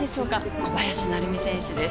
小林成美選手です。